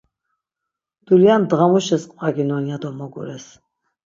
Dulya ndğamuşis qvaginon ya do mogures.